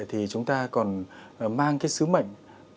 thì chúng ta còn mang cái sứ mệnh